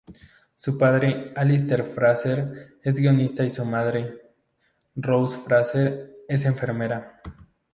Su padre, Alister Fraser, es guionista y su madre, Rose Fraser, es enfermera.